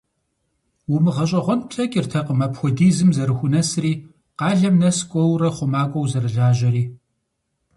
УмыгъэщӀэгъуэн плъэкӀыртэкъым апхуэдизым зэрыхунэсри, къалэм нэс кӀуэурэ, хъумакӀуэу зэрылажьэри.